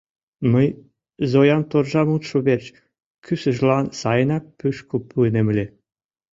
Мый Зоям торжа мутшо верч кӱсыжлан сайынак пӱшкыл пуынем ыле.